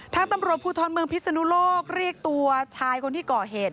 ทางตำรวจภูทรเมืองพิศนุโลกเรียกตัวชายคนที่ก่อเหตุ